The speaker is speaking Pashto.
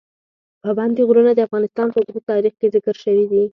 پابندي غرونه د افغانستان په اوږده تاریخ کې ذکر شوي دي.